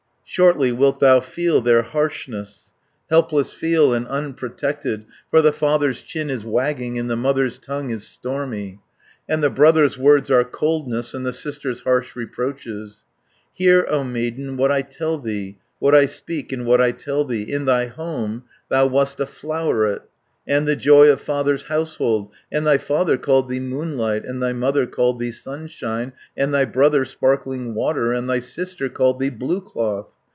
"Shortly wilt thou feel their harshness, Helpless feel, and unprotected, 240 For the father's chin is wagging, And the mother's tongue is stormy; And the brother's words are coldness, And the sister's harsh reproaches. "Hear, O maiden, what I tell thee, What I speak, and what I tell thee, In thy home thou wast a floweret, And the joy of father's household, And thy father called thee Moonlight, And thy mother called thee Sunshine, 250 And thy brother Sparkling Water, And thy sister called thee Blue cloth.